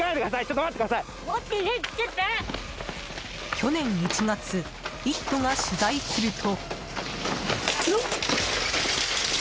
去年１月「イット！」が取材すると。